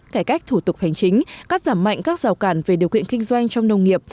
cải cách thủ tục hành chính cắt giảm mạnh các rào cản về điều kiện kinh doanh trong nông nghiệp